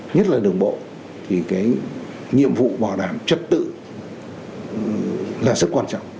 nhất là đường bộ thì cái nhiệm vụ bảo đảm trật tự là rất quan trọng